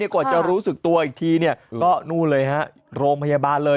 กว่าจะรู้สึกตัวอีกทีเนี่ยก็โรงพยาบาลเลย